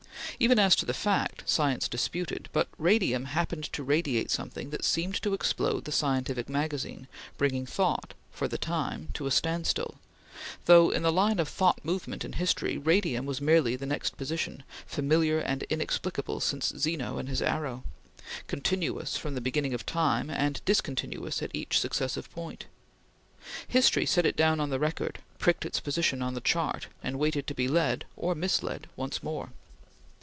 Even as to the fact, science disputed, but radium happened to radiate something that seemed to explode the scientific magazine, bringing thought, for the time, to a standstill; though, in the line of thought movement in history, radium was merely the next position, familiar and inexplicable since Zeno and his arrow: continuous from the beginning of time, and discontinuous at each successive point. History set it down on the record pricked its position on the chart and waited to be led, or misled, once more.